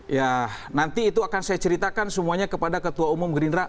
ya nanti itu akan saya ceritakan semuanya kepada ketua umum gerindra